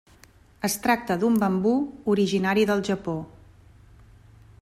Es tracta d'un bambú originari del Japó.